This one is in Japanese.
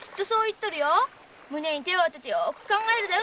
胸に手を当ててよく考えるんだよ